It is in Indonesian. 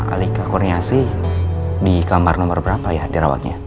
nama alika kurniasi di kamar nomor berapa ya di rawatnya